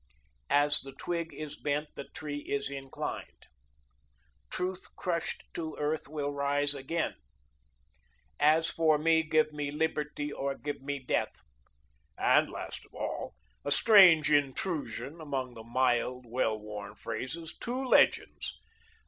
"As the Twig is Bent the Tree is Inclined," "Truth Crushed to Earth Will Rise Again," "As for Me, Give Me Liberty or Give Me Death," and last of all, a strange intrusion amongst the mild, well worn phrases, two legends.